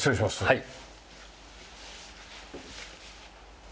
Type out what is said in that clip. はい。